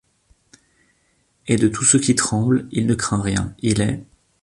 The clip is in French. Et de tout ce qui tremble, il ne craint rien. Il est